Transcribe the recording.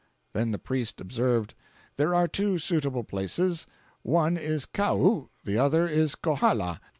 Then the priest observed, 'There are two suitable places; one is Kau, the other is Kohala.